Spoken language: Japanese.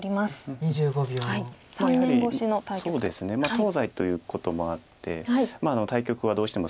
東西ということもあって対局はどうしても。